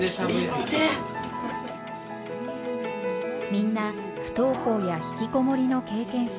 みんな不登校やひきこもりの経験者。